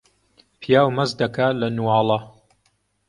پیاو مەست دەکا لە نواڵە